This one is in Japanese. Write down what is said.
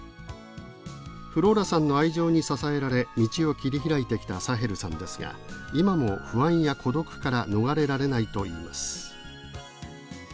フローラさんの愛情に支えられ道を切り開いてきたサヘルさんですが今も不安や孤独から逃れられないといいます。